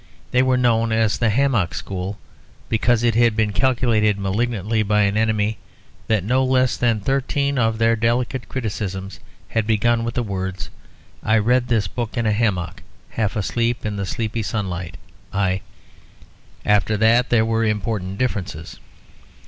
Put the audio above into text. They were known as the Hammock School, because it had been calculated malignantly by an enemy that no less than thirteen of their delicate criticisms had begun with the words, "I read this book in a hammock: half asleep in the sleepy sunlight, I ..."; after that there were important differences.